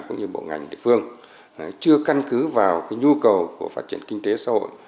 cũng như bộ ngành địa phương chưa căn cứ vào nhu cầu của phát triển kinh tế xã hội